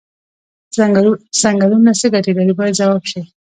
څنګلونه څه ګټې لري باید ځواب شي.